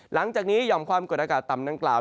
หลังจากนี้หย่อมความกดอากาศต่ำดังกล่าว